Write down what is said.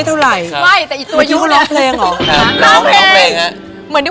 จริงเหรอพี่